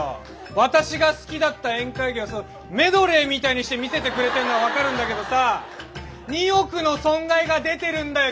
私が好きだった宴会芸をメドレーみたいにして見せてくれてるのは分かるんだけどさ２億の損害が出てるんだよ！